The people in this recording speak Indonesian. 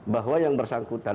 bahwa yang bersangkutan